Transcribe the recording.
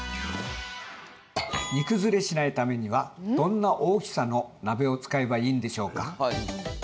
煮崩れしないためにはどんな大きさの鍋を使えばいいんでしょうか？